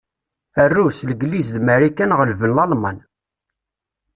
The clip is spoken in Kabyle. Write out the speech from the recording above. Rrus, Legliz d Marikan ɣelben Lalman.